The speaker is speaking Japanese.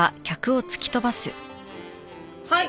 はい！